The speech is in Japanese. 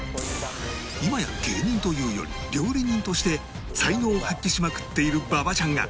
今や芸人というより料理人として才能を発揮しまくっている馬場ちゃんが